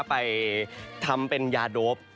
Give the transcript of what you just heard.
ไปทำเป็นยาโดป